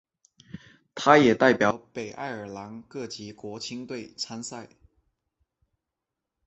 他也代表北爱尔兰各级国青队参赛。